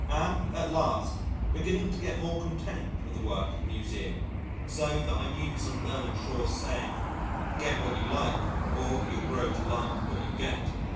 Am at last beginning to get more content with the work at the Museum, so that I muse on Bernard Shaw's saying, "Get what you like or you'll grow to like what you get."